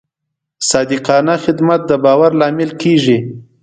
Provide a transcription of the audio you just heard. صادقانه خدمت د باور لامل کېږي.